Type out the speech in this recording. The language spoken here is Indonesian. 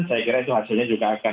saya kira itu hasilnya juga akan